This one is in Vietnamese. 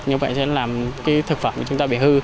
như vậy sẽ làm cái thực phẩm của chúng ta bị hư